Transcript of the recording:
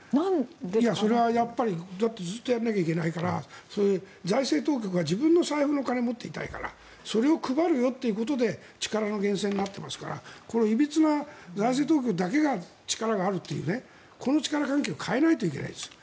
それはずっとやらないといけないから財政当局が、自分の財布の金を持っていたいからそれを配るよってことで力の源泉になってますからいびつな財政当局だけが力があるというこの力関係を変えないといけないんです。